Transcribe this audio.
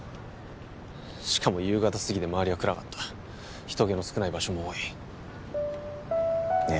しかも夕方過ぎで周りは暗かった人けの少ない場所も多いいや